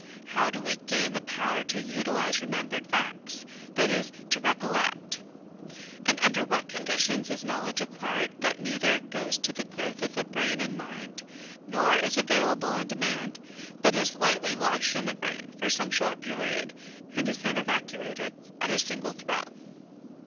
How do we gain the power to utilise remembered facts that is, to recollect '? And under what con ditions is knowledge acquired that neither goes to the growth of brain and mind, nor is available on demand, but is lightly lodged in the brain for some short period, and is then evacuated at a single throw